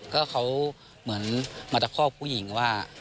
ก็เขาเหมือนมาตะคอกผู้หญิงว่า